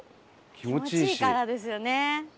気持ちいいからですよね。